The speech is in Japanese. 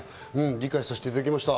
理解させていただきました。